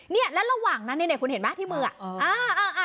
เนี่ยแล้วระหว่างนั้นเนี่ยคุณเห็นไหมที่มือ